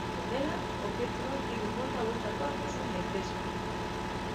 Honela, objektuak hiru mota hauetakoak izan daitezke.